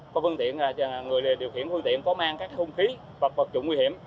có vân tiện người điều khiển vân tiện có mang các khung khí và vật trụng nguy hiểm